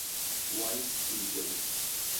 White Eagle